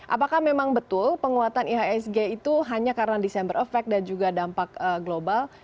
apakah memang betul penguatan ihsg itu hanya karena desember effect dan juga dampak global